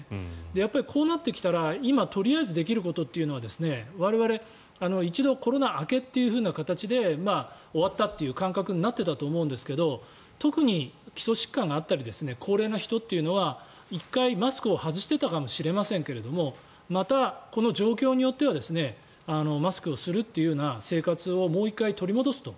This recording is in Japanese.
やっぱりこうなってきたら今、とりあえずできることは我々、１度コロナ明けという形で終わったという感覚になっていたと思いますが特に基礎疾患があったり高齢な人というのは１回、マスクを外していたかもしれませんがまたこの状況によってはマスクをするというような生活をもう１回取り戻すと。